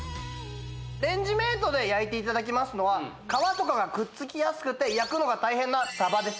レンジメートで焼いていただきますのは皮とかがくっつきやすくて焼くのが大変なサバです